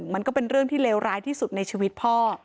มันก็เป็นเรื่องที่เลวร้ายที่สุดในชีวิตพ่อ